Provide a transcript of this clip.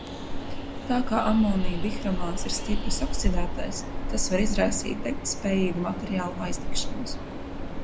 Tā kā amonija dihromāts ir stiprs oksidētājs, tas var izraisīt degtspējīgu materiālu aizdegšanos.